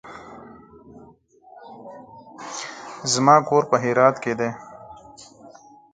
زما کور په هرات کې دی.